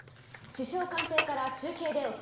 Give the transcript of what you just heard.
首相官邸から中継でお伝えします。